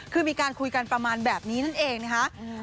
คือมีการคุยกันประมาณแบบนี้นั่นเองนะคะ